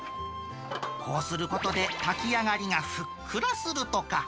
こうすることで炊き上がりがふっくらするとか。